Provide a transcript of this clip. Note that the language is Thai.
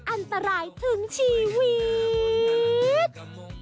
อันตรายถึงชีวิต